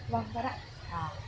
vâng ra đạn